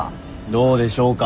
どうでしょうか！？